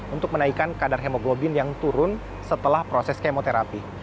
untuk menaikkan kadar hemoglobin yang turun setelah proses kemoterapi